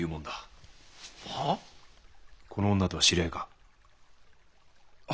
この女とは知り合いか？